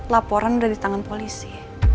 laporan udah di tangan polisi